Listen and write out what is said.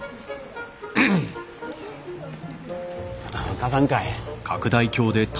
貸さんかい。